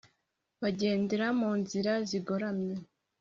bagendera mu nzira zigoramye,